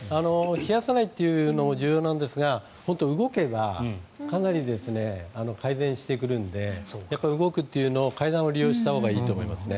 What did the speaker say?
冷やさないというのも重要なんですが動けば、かなり改善してくるので動くというのを階段を利用したほうがいいと思いますね。